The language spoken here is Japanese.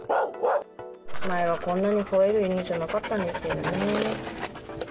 前はこんなに吠える犬じゃなかったんですけどね。